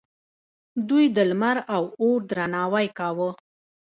دوی د لمر او اور درناوی کاوه